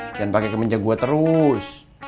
jangan pakai kemeja gue terus